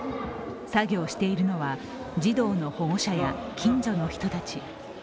作業しているのは児童の保護者や近所の人たち。